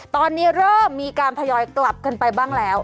ตอนนี้เริ่มมีการทยอยกลับกันไปบ้างแล้ว